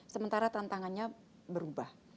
sementara tantangannya berubah